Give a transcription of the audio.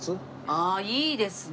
ああいいですね！